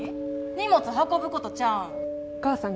荷物運ぶことちゃうん？